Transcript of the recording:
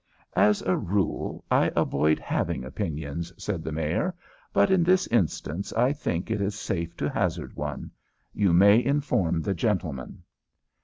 "As a rule, I avoid having opinions," said the Mayor, "but in this instance I think it is safe to hazard one. You may inform the gentlemen."